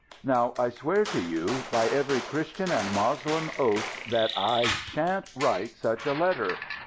Now I swear to you, by every Christian and Moslem oath, that I shan't write such a letter!